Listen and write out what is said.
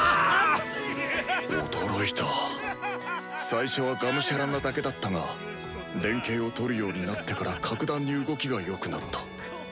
最初はがむしゃらなだけだったが連携をとるようになってから格段に動きが良くなった。